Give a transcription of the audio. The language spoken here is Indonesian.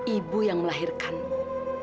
ibu yang melahirkanmu